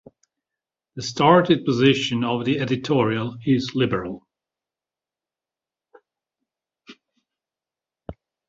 The stated position of the editorial is liberal.